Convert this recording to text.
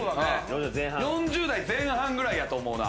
４０代前半くらいやと思うな。